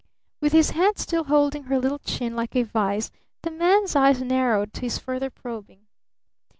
With his hand still holding her little chin like a vise, the man's eyes narrowed to his further probing.